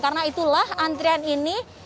karena itulah antrian ini